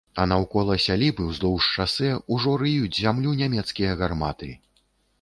А наўкола сяліб і ўздоўж шасэ ўжо рыюць зямлю нямецкія гарматы.